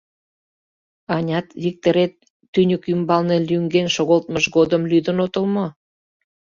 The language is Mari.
— Анят, Виктырет тӱньык ӱмбалне лӱҥген шогылтмыж годым лӱдын отыл мо?